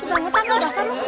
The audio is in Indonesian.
lo udah bangun tanpa basar lo